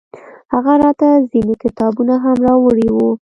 هغه راته ځينې کتابونه هم راوړي وو.